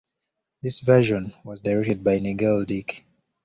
This version was directed by Nigel Dick.